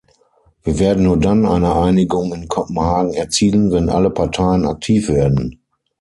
Wir werden nur dann eine Einigung in Kopenhagen erzielen, wenn alle Parteien aktiv werden.